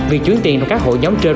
việc chuyển tiền trong các hội nhóm trên